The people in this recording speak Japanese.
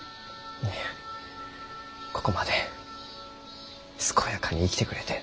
いやここまで健やかに生きてくれて。